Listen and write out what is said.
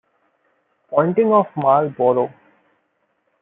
Ponting of Marlborough.